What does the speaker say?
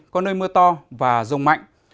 có nơi mưa to và rông mạnh